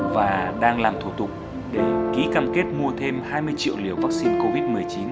và đang làm thủ tục để ký cam kết mua thêm hai mươi triệu liều vaccine covid một mươi chín